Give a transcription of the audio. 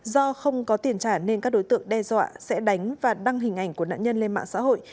do không có tiền trả nên các đối tượng đe dọa sẽ đánh và đăng hình ảnh của nạn nhân lên mạng xã hội